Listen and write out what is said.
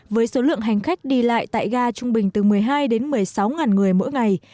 với số lượng hành khách đi lại tại ga trung bình từ một mươi hai đến một mươi sáu người mỗi ngày